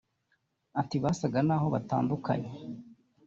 Ati “ Basaga n’aho batandukanye